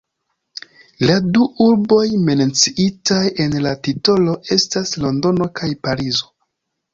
La du urboj menciitaj en la titolo estas Londono kaj Parizo.